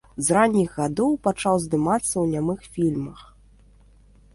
З ранніх гадоў пачаў здымацца ў нямых фільмах.